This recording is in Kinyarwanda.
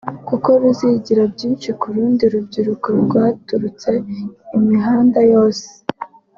kuko ruzigira byinshi ku rundi rubyuruko rwaturutse imihanda yose